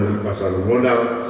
di pasar modal